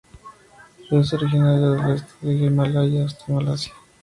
Es originario del este del Himalaya hasta Malasia.